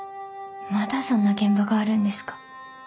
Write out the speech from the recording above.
まだそんな現場があるんですか？